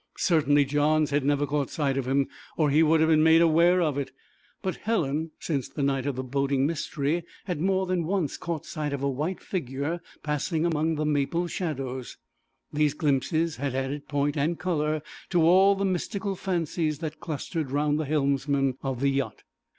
Certainly Johns had never caught sight of him or he would have been made aware of it, but Helen, since the night of the boating mystery, had more than once caught sight of a white figure passing among the maple shadows. These glimpses had added point and colour to all the mystical fancies that clustered round the helmsman of the yacht.